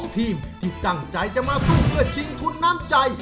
ทีมที่ตั้งใจจะมาสู้เพื่อชิงทุนน้ำใจ